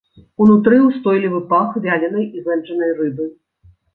Унутры ўстойлівы пах вяленай і вэнджанай рыбы.